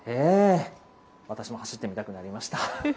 私も走ってみたくなりました。